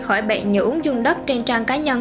khỏi bệnh nhờ uống dung đất trên trang cá nhân